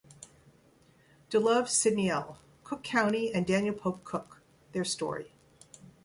DeLove, Sidney L. Cook County and Daniel Pope Cook-their Story.